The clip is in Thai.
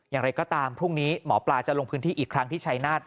อย่างไรก็ตามพรุ่งนี้หมอปลาจะลงพื้นที่อีกครั้งที่ชายนาฏ